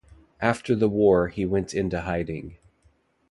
After the war he went into hiding.